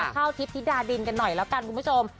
ข้าวทิพย์ธิดาดินกันหน่อยแล้วกันคุณผู้ชม